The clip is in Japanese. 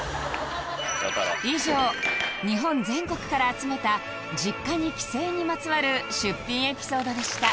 以上日本全国から集めた実家に帰省にまつわる出品エピソードでした